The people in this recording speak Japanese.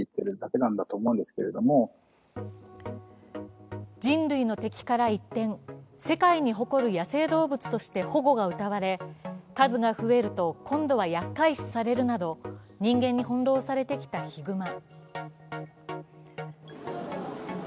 専門家は人類の敵から一転、世界に誇る野生動物として保護がうたわれ、数が増えると今度はやっかい視されるなど、人間に翻弄されてきたヒグマ。